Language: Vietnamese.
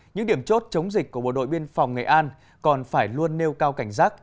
những điểm chốt chống dịch của bộ đội biên phòng nghệ an còn phải luôn nêu cao cảnh giác